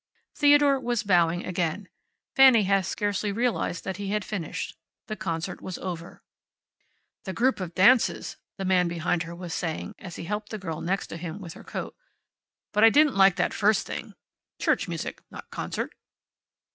Theodore was bowing again. Fanny had scarcely realized that he had finished. The concert was over. "... the group of dances," the man behind her was saying as he helped the girl next him with her coat, "but I didn't like that first thing. Church music, not concert."